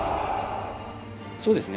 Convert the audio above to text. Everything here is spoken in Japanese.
そうですね